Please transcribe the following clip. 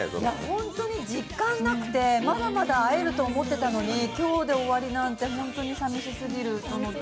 本当に実感なくて、まだまだ会えると思ってたのに今日で終わりなんて本当にさみしすぎる。